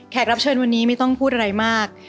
รับเชิญวันนี้ไม่ต้องพูดอะไรมาก